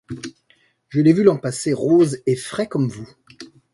Je l’ai vu l’an passé rose et frais comme vous.